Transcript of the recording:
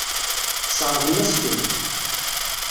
Tesseṛɣem-as-tent.